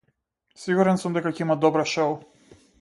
Сигурен сум дека ќе има добро шоу.